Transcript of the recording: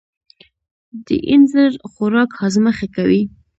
د اینځر خوراک هاضمه ښه کوي.